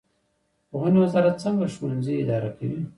پوهنې وزارت څنګه ښوونځي اداره کوي؟